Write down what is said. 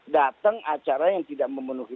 datang acara yang tidak memenuhi